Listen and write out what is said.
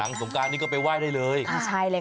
หลังสมการนี้ก็ไปว่ายได้เลย